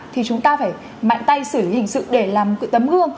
thì chúng ta phải mạnh tay xử lý hình sự để làm cái tấm gương